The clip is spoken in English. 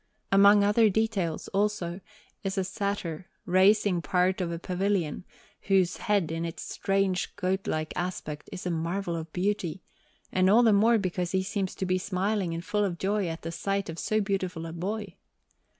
Among other details, also, is a Satyr raising part of a pavilion, whose head, in its strange, goatlike aspect, is a marvel of beauty, and all the more because he seems to be smiling and full of joy at the sight of so beautiful a boy.